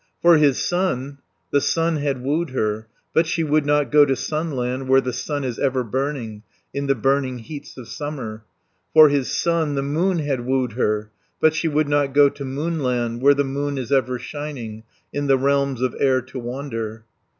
30 For his son, the Sun had wooed her. But she would not go to Sunland, Where the Sun is ever shining In the burning heats of summer. For his son, the Moon had wooed her, But she would not go to Moonland, Where the Moon is ever shining, In the realms of air to wander.